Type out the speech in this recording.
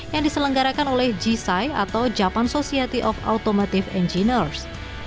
yang diselenggarakan oleh gisai atau japan society of automative engineers